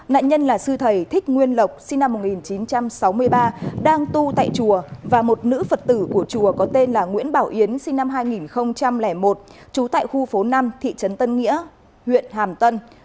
nạn nhân là sư thầy thích nguyên lộc sinh năm một nghìn chín trăm sáu mươi ba đang tu tại chùa và một nữ phật tử của chùa có tên là nguyễn bảo yến sinh năm hai nghìn một trú tại khu phố năm thị trấn tân nghĩa huyện hàm tân